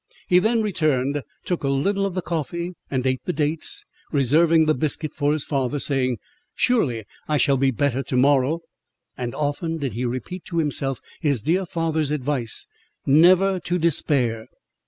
He then returned, took a little of the coffee, and ate the dates, reserving the biscuit for his father, saying—"Surely I shall be better to morrow;" and often did he repeat to himself his dear father's advice, never to despair.